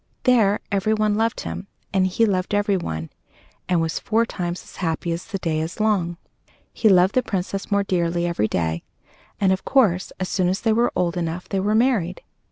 There everyone loved him, and he loved everyone, and was four times as happy as the day is long. He loved the Princess more dearly every day, and, of course, as soon as they were old enough, they were married.